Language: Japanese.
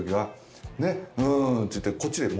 こっちで。